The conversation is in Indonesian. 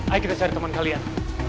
ayo kita cari teman kalian